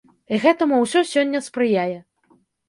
І гэтаму ўсё сёння спрыяе.